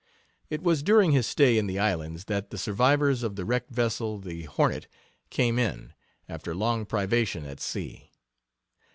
It was during his stay in the islands that the survivors of the wrecked vessel, the Hornet, came in, after long privation at sea.